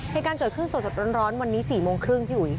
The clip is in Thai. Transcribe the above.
เหตุการณ์เกิดขึ้นสดร้อนวันนี้๔โมงครึ่งพี่อุ๋ย